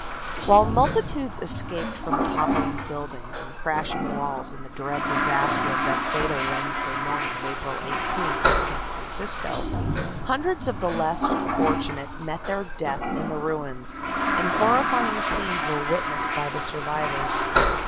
While multitudes escaped from toppling buildings and crashing walls in the dread disaster of that fatal Wednesday morning of April 18th in San Francisco, hundreds of the less fortunate met their death in the ruins, and horrifying scenes were witnessed by the survivors.